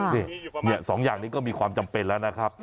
นี่๒อย่างนี้ก็มีความจำเป็นแล้วนะครับ